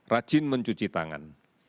rajin mencuci tangan